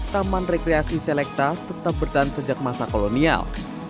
taman rekreasi selekta tetap bertahan sejak masa kolonial